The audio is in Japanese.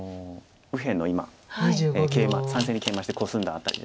右辺の今３線にケイマしてコスんだ辺りです。